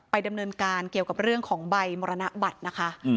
ดำเนินการเกี่ยวกับเรื่องของใบมรณบัตรนะคะ